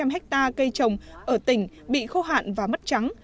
năm trăm linh hectare cây trồng ở tỉnh bị khô hạn và mất trắng